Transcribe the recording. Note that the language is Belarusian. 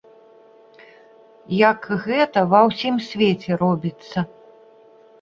Як гэта ва ўсім свеце робіцца.